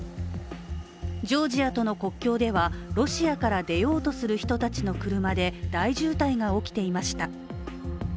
ジョージアとの国境では、ロシアから出ようとする人たちの車で大渋滞が起きていました。